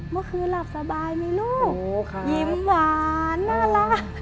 เมื่อคืนหลับสบายไหมลูกยิ้มหวานน่ารัก